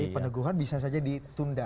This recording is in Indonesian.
peneguhan bisa saja ditunda